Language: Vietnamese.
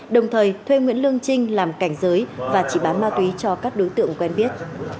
đồng thời thuê nguyễn lương trinh làm cảnh giới và chỉ bán ma túy cho các đối tượng quen biết